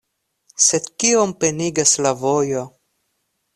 Sed kiom penigas la vojo..